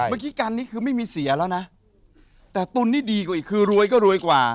เมื่อกี้กันนี้คือไม่มีเสียแล้วนะแต่ตุ๋นนี่ดีกว่าอีกคือรวยก็รวยกว่า